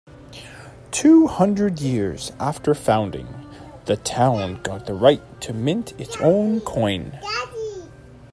Two hundred years after founding, the town got the right to mint its own coin.